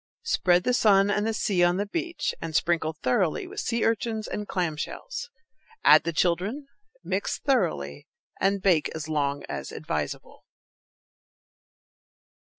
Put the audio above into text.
Spread the sun and the sea on the beach, and sprinkle thoroughly with sea urchins and clam shells. Add the children, mix thoroughly, and bake as long as advisable.